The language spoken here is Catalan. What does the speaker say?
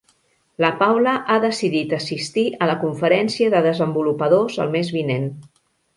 La Paula ha decidit assistir a la Conferència de Desenvolupadors el mes vinent.